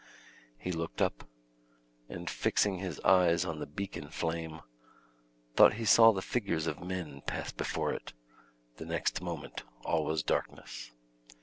He looked up, and fixing his eyes on the beacon flame, thought he saw the figures of men pass before it the next moment all was darkness.